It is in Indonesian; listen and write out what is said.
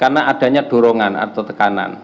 karena adanya dorongan atau tekanan